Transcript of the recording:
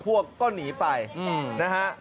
พวกก็หนีไปนะฮะ